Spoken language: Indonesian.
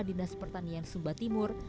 dinas pertanian sumba timur